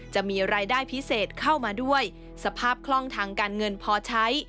จะมีรายได้พิเศษเข้ามาด้วยสภาพคล่องทางการเงินพอใช้